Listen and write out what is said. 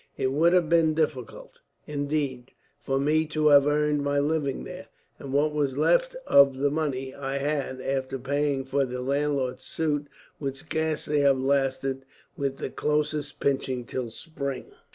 It would have been difficult, indeed, for me to have earned my living there; and what was left of the money I had, after paying for the landlord's suit, would scarce have lasted, with the closest pinching, till spring."